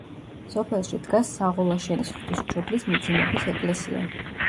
სოფელში დგას საღოლაშენის ღვთისმშობლის მიძინების ეკლესია.